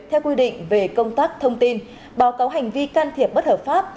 theo quy định về công tác thông tin báo cáo hành vi can thiệp bất hợp pháp